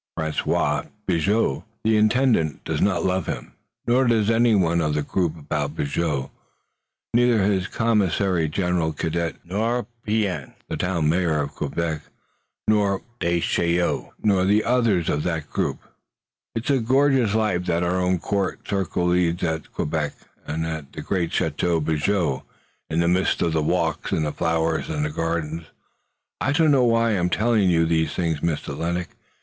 François Bigot, the Intendant, does not love him, nor does anyone of the group about Bigot, neither his commissary general, Cadet, nor Pean, the Town Mayor of Quebec, nor Descheneaux, nor the others of that group. It's a gorgeous life that our own court circle leads at Quebec, and at the great Chateau Bigot, in the midst of its walks and flowers and gardens. I don't know why I'm telling you these things, Mr. Lennox!